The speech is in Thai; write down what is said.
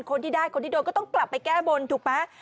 คนที่ได้คนที่โดนก็ต้องกลับไปแก้บนถูกไหม